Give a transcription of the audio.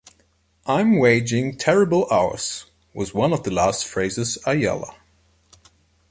"I'm waging terrible hours," was one of the last phrases Ayala.